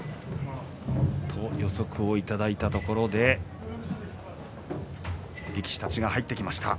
予測をいただいたところで力士たちが入ってきました。